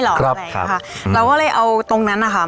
ครับครับค่ะเราก็เลยเอาตรงนั้นนะคะ